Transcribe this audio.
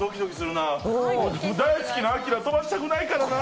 大好きな明飛ばしたくないからな！